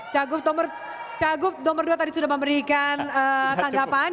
cagup cagup nomor dua tadi sudah memberikan tanggapan